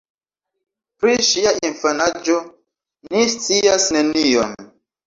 Pri ŝia infanaĝo ni scias nenion.